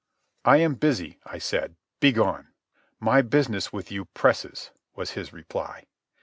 "I am busy," I said. "Begone." "My business with you presses," was his reply.